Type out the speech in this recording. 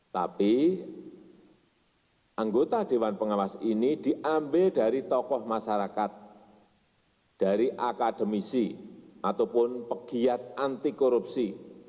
tapi anggota dewan pengawas ini diambil dari tokoh masyarakat dari akademisi ataupun pegiat anti korupsi